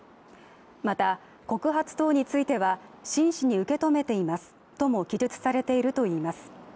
また、告発等については真摯に受け止めていますとも記述されているといいます。